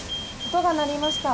音が鳴りました。